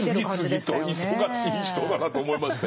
次々と忙しい人だなと思いましたよええ。